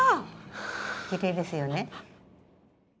きれいですよね。